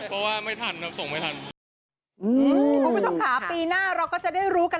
ใครได้ส่งได้ไหมคะ